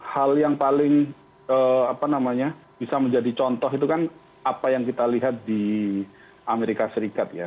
hal yang paling apa namanya bisa menjadi contoh itu kan apa yang kita lihat di amerika serikat ya